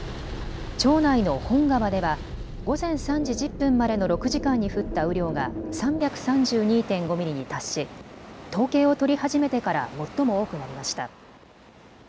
町内の本川では午前３時１０分までの６時間に降った雨量が３３２．５ミリに達し、統計を取り始めてから最も多くなりました。